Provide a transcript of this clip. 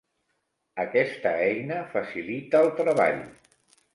Aquesta eina facilita el treball.